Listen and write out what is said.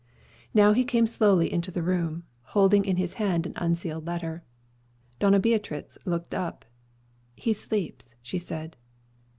Now he came slowly into the room, holding in his hand an unsealed letter. Doña Beatriz looked up. "He sleeps," she said.